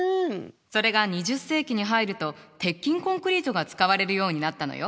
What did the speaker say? それが２０世紀に入ると鉄筋コンクリートが使われるようになったのよ。